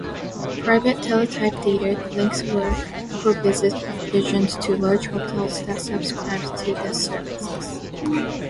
Private Teletype data links were provisioned to large hotels that subscribed to this service.